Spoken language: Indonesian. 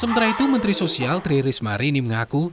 sementara itu menteri sosial tri risma rini mengaku